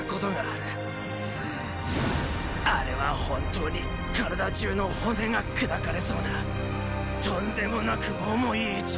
あれは本当に体じゅうの骨が砕かれそうなとんでもなく重い一撃だった。